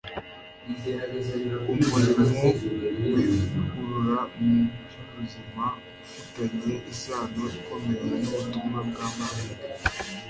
umurimo w'ivugurura mu by'ubuzima ufitanye isano ikomeye n'ubutumwa bwa marayika